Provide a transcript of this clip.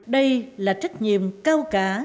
đây là trách nhiệm cao cả